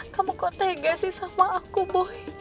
kamu kok tega sih sama aku bu